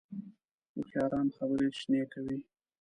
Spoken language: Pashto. هوښیاران خبرې شنې کوي